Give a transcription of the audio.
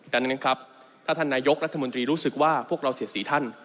ดังนั้นครับถ้าท่านนายกรัฐมนตรีรู้สึกว่าพวกเราเสียสีท่าน